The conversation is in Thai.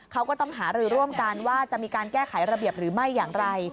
เขาก็ต้องหารือร่วมกันว่าจะมีการแก้ไขระเบียบหรือไม่อย่างไร